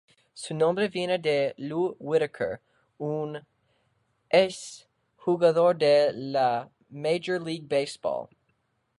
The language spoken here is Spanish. Su nombre viene de Lou Whitaker, un ex-jugador de la Major League Baseball.